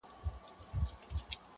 د تندې کرښو راوستلی یم د تور تر کلي.!